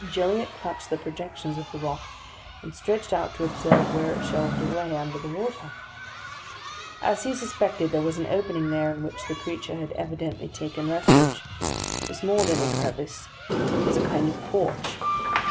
Gilliatt clutched the projections of the rock, and stretched out to observe where it shelved away under the water. As he suspected, there was an opening there in which the creature had evidently taken refuge. It was more than a crevice; it was a kind of porch.